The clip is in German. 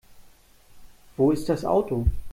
Wo ist das Auto?